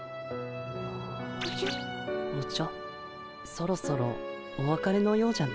そろそろおわかれのようじゃの。